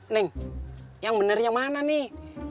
neng yang bener yang mana nih